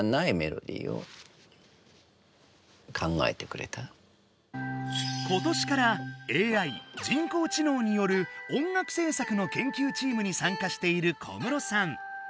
それで今年からＡＩ人工知のうによる音楽せい作の研究チームに参加している小室さん。